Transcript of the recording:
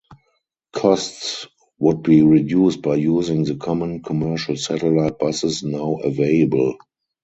Costs would be reduced by using the common commercial satellite buses now available.